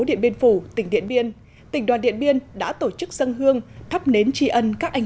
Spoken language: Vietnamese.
điện biên phủ tỉnh điện biên tỉnh đoàn điện biên đã tổ chức dân hương thắp nến tri ân các anh